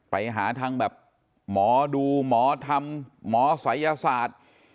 ไปหาทางแบบหมอดูหมอธรรมหมอศัยศาสตร์